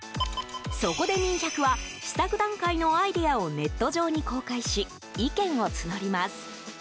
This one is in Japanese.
そこで、みん１００は試作段階のアイデアをネット上に公開し意見を募ります。